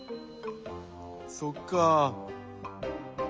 そっかあ。